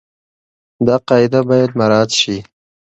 دا قاعده بايد مراعت شي.